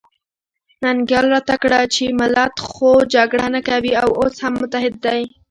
ننګیال راته کړه چې ملت خو جګړه نه کوي او اوس هم متحد دی.